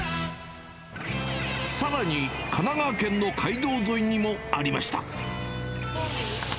さらに、神奈川県の街道沿いにもありました。